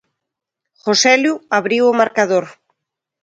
Joselu abriu o marcador.